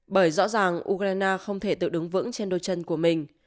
bởi rõ ràng ukraine không thể tự đứng vững trên đôi chân của mình